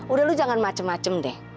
udah lu jangan macem macem deh